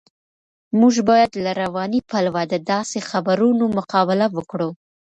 موږ باید له رواني پلوه د داسې خبرونو مقابله وکړو.